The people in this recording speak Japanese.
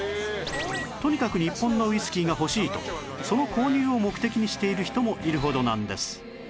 とにかく日本のウイスキーが欲しいとその購入を目的にしている人もいるほどなんです